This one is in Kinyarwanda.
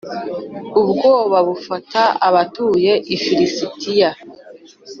ubwoba bufata abatuye i filisitiya.